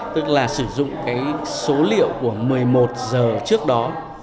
tức là sử dụng cái số liệu của một mươi một giờ trước đó